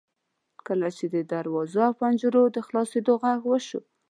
کله چې د دروازو او پنجرو د خلاصیدو غږ وشو.